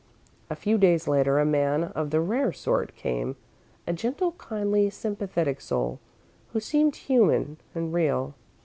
A few days later, a man of the rare sort came; a gentle, kindly, sympathetic soul, who seemed human and real.